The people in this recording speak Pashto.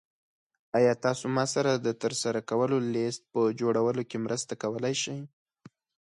ایا تاسو ما سره د ترسره کولو لیست په جوړولو کې مرسته کولی شئ؟